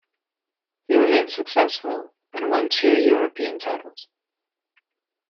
He remained successful, and won two European titles.